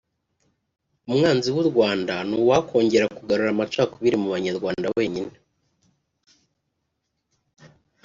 umwanzi w’u Rwanda ni uwakongera kugarura amacakubiri mu banyarwanda wenyine”